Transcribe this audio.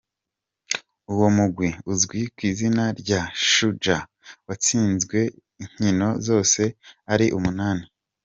Uwo mugwi uzwi kw'izina rya Shujaa, watsinzwe inkino zose ko ari umunani.